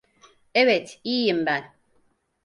Evet, iyiyim ben.